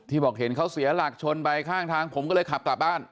บอกเห็นเขาเสียหลักชนไปข้างทางผมก็เลยขับกลับบ้าน